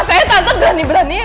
saya tante berani berani ya